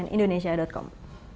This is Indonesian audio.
tidak lagi kesusahan